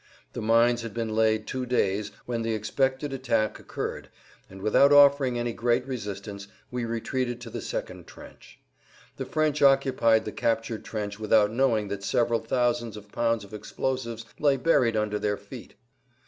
The mines had been laid two days when the expected attack occurred, and without offering any great resistance we retreated to the second trench. The French occupied the captured trench without knowing that several thousands of pounds of explosives lay buried under their feet.